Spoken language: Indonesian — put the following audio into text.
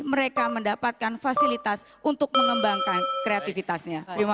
mereka mendapatkan fasilitas untuk mengembangkan kreativitasnya